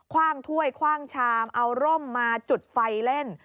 ว่างถ้วยคว่างชามเอาร่มมาจุดไฟเล่น